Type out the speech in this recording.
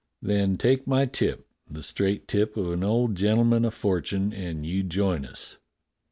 "Then take my tip, the straight tip of an old gentle man o' fortune, and you join us."